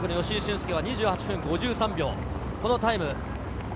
恭は２８分５３秒。